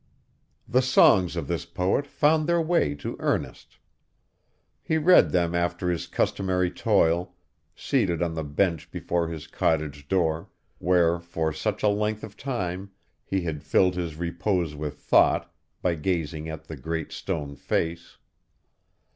The songs of this poet found their way to Ernest. He read them after his customary toil, seated on the bench before his cottage door, where for such a length of time he had filled his repose with thought, by gazing at the Great Stone Face.